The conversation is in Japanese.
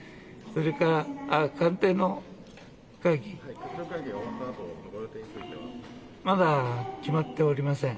それから官邸の会議、まだ決まっておりません。